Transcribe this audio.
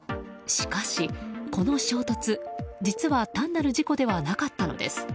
しかし、この衝突、実は単なる事故ではなかったのです。